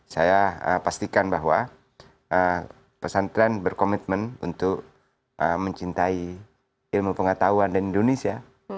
saya pastikan bahwa pesantren berkomitmen untuk mencintai ilmu pengetahuan dan indonesia